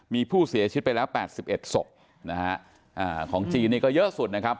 มีผู้เสียชิดไปแล้วแปดสิบเอ็ดศพนะฮะอ่าของจีนนี่ก็เยอะสุดนะครับ